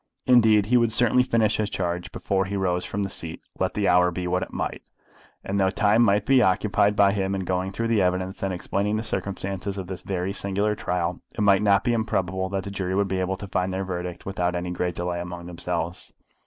Indeed he would certainly finish his charge before he rose from the seat, let the hour be what it might; and though time must be occupied by him in going through the evidence and explaining the circumstances of this very singular trial, it might not be improbable that the jury would be able to find their verdict without any great delay among themselves.